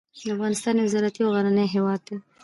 افغانستان یو زراعتي او غرنی هیواد دی.